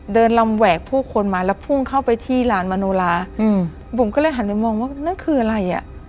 เดินลำแหวกผู้คนมาแล้วพุ่งเข้าไปที่ร้านมโนลาอืมบุ๋มก็เลยหันไปมองว่านั่นคืออะไรอ่ะ